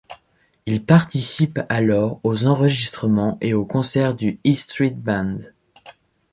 Il participe alors aux enregistrements et aux concerts du E Street Band.